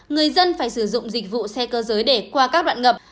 người dân phải sử dụng dịch vụ xe cơ giới để qua các đoạn ngập